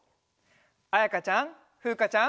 あやかちゃんふうかちゃん。